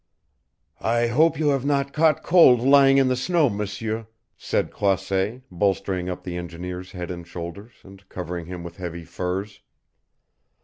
"I hope you have not caught cold lying in the snow, M'seur," said Croisset, bolstering up the engineer's head and shoulders and covering him with heavy furs.